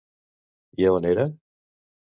I a on era?